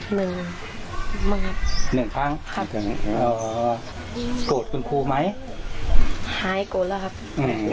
หนึ่งหนึ่งครั้งครับอ๋อโกรธคุณครูไหมหายโกรธแล้วครับ